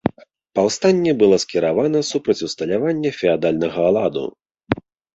Паўстанне было скіравана супраць усталявання феадальнага ладу.